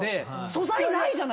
素材ないじゃないですか。